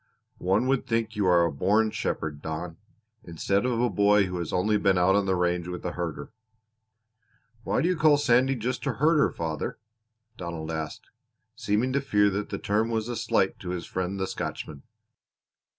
"One would think you a born shepherd, Don, instead of a boy who has only been out on the range with a herder." "Why do you call Sandy just a herder, father?" Donald asked, seeming to fear that the term was a slight to his friend the Scotchman.